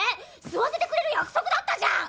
吸わせてくれる約束だったじゃん！